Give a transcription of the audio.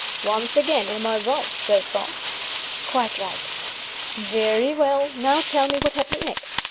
"Once again, am I right so far?" "Quite right." "Very well. Now tell me what happened next.